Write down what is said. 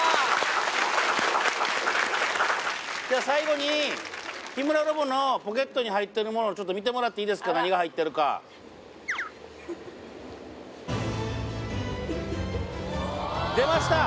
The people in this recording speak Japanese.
じゃ最後に日村ロボのポケットに入ってるものちょっと見てもらっていいですか何が入ってるか出ました